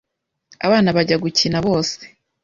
abana bajya gukina, bose